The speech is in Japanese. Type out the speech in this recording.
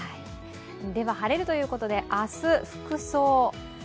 では晴れるということで明日、服装。